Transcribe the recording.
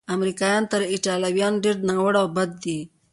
امریکایان تر ایټالویانو ډېر ناوړه او بد دي.